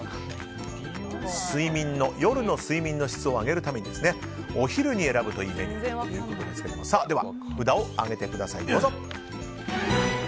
夜の睡眠の質を上げるためにですねお昼に選ぶといいメニューということですが札を上げてください、どうぞ。